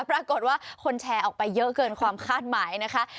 ปรากฏว่าคนแชร์ออกไปเยอะเกินความคาดหมายนะคะ